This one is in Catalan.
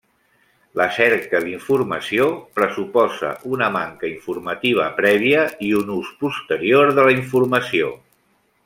La cerca d’informació pressuposa una manca informativa prèvia i un ús posterior de la informació.